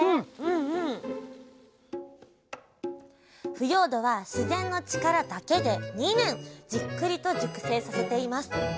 腐葉土は自然の力だけで２年じっくりと熟成させています。